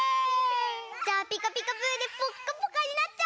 じゃあ「ピカピカブ！」でぽっかぽかになっちゃおうか！